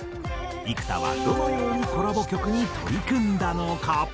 幾田はどのようにコラボ曲に取り組んだのか？